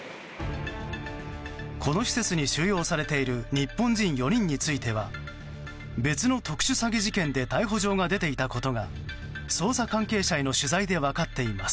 この施設に収容されている日本人４人については別の特殊詐欺事件で逮捕状が出ていたことが捜査関係者への取材で分かっています。